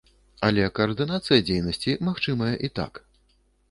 Але каардынацыя дзейнасці магчымая і так.